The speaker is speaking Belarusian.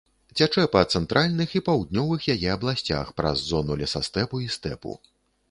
Цячэ па цэнтральных і паўднёвых яе абласцях праз зону лесастэпу і стэпу.